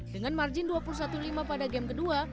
dengan margin dua puluh satu lima pada game kedua